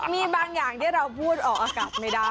มีบางอย่างที่เราพูดออกอากาศไม่ได้